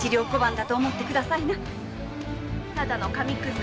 ただの紙くず。